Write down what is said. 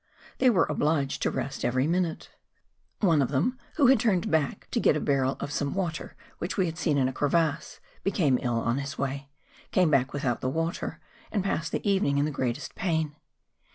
They were obliged to rest every minute. One of them, who had turned backto get a barrel of some water which we had seen in a crevasse, became ill on his way, came back without the water, and passed the even¬ ing in the greatest pain.